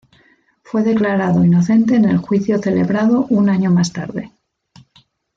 Fue declarado inocente en el juicio celebrado un año más tarde.